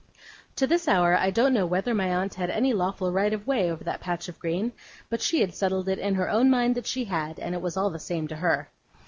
To this hour I don't know whether my aunt had any lawful right of way over that patch of green; but she had settled it in her own mind that she had, and it was all the same to her.